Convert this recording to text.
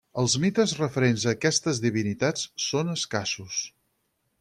Els mites referents a aquestes divinitats són escassos.